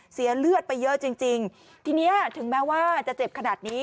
เสียเลือดไปเยอะจริงจริงทีนี้ถึงแม้ว่าจะเจ็บขนาดนี้